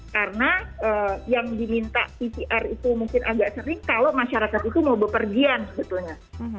karena yang diminta pcr itu mungkin agak sering kalau masyarakat itu mau berpergian sebetulnya